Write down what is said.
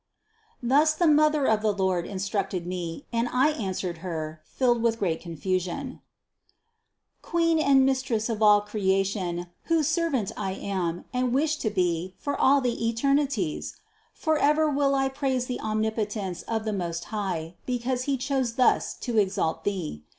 — Thus the Mother of the Lord instructed me, and I answered Her, filled with great confusion: THE CONCEPTION 251 311. "Queen and Mistress of all creation, whose ser vant I am and wish to be for all the eternities ! Forever will I praise the Omnipotence of the Most High, be cause He chose thus to exalt Thee.